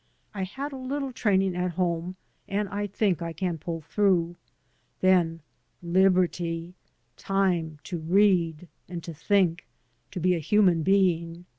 I had a little training at home, and I think I can pull through. Then liberty! Time to read and to think — ^to be a human being.